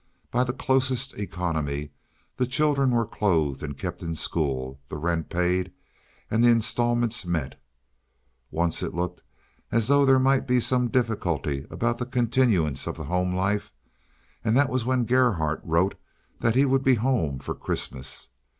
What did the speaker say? By the closest economy the children were clothed and kept in school, the rent paid, and the instalments met. Once it looked as though there might be some difficulty about the continuance of the home life, and that was when Gerhardt wrote that he would be home for Christmas.